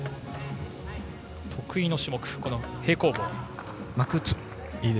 得意の種目、平行棒。